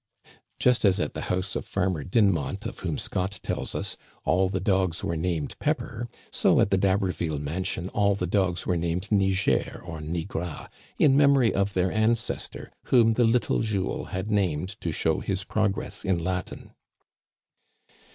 Just as at the house of Farmer Dinmont, of whom Scott tell us, all the dogs were named Pepper, so at the D'Haberville mansion all the dogs were called Niger or Nigra, in memory of their ancestor, whom the little Jules had named to show his progress in Latin.